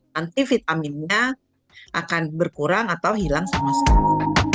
nanti vitaminnya akan berkurang atau hilang sama sekali